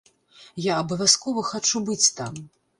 Я абавязкова хачу быць там.